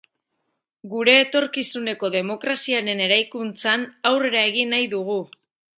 Gure etorkizuneko demokraziaren eraikuntzan aurrera egin nahi dugu.